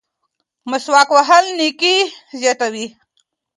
مسواک وهل نیکي زیاتوي.